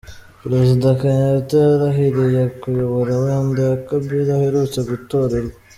Perezida Kenyatta yarahiriye kuyobora manda ya kabili, aherutse gutorerwa.